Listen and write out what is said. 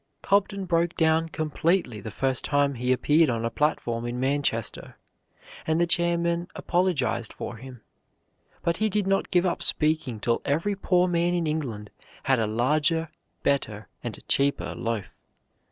Cobden broke down completely the first time he appeared on a platform in Manchester, and the chairman apologized for him. But he did not give up speaking till every poor man in England had a larger, better, and cheaper loaf.